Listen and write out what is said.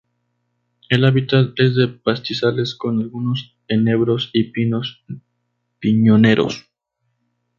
El hábitat es de pastizales con algunos enebros y pinos piñoneros.